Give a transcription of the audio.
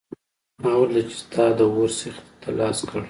ما ولیدل چې تا د اور سیخ ته لاس کړ